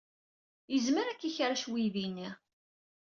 Yezmer ad k-ikerrec uydi-nni.